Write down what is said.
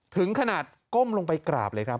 ถึงขนาดก้มลงไปกราบเลยครับ